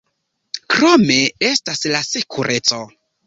Krome estas la sekureco.